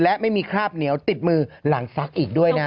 และไม่มีคราบเหนียวติดมือหลังซักอีกด้วยนะ